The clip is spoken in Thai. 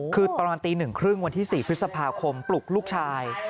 คือประมาณตี๑๓๐วันที่๔พฤษภาคมปลุกลูกชาย